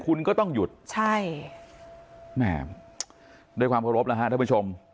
คุณก็ต้องหยุดใช่แหมด้วยความเคารพแล้วฮะท่านผู้ชม